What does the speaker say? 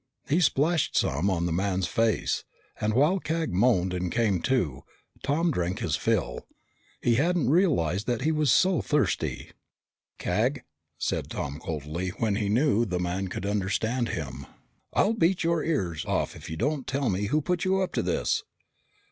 He splashed some on the man's face, and while Cag moaned and came to, Tom drank his fill. He hadn't realized that he was so thirsty. "Cag," said Tom coldly, when he knew the man could understand him, "I'll beat your ears off if you don't tell me who put you up to this!"